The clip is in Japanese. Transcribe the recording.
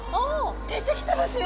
出てきてますよ！